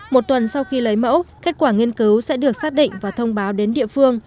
một tuần sau khi lấy mẫu kết quả nghiên cứu sẽ được xác định và thông báo đến địa phương